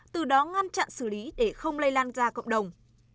từ đó ngăn chặn xử lý để không lây lan ra cộng đồng